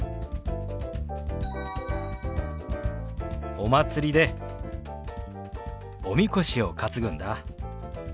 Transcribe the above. お祭りでおみこしを担ぐんだ。